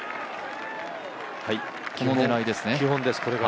基本です、これが。